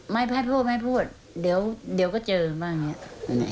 ไม่พูดไม่พูดเดี๋ยวเดี๋ยวก็เจอบ้างอย่างเงี้ย